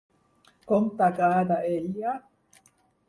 Com t'agrada ella?